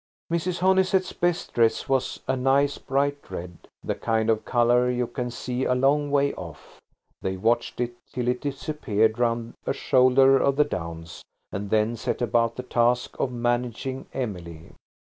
Mrs. Honeysett's best dress was a nice bright red–the kind of colour you can see a long way off. They watched it till it disappeared round a shoulder of the downs, and then set about the task of managing Emily.